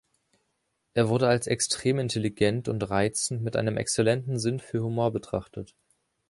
Er wurde als extrem intelligent und reizend, mit einem exzellenten Sinn für Humor betrachtet.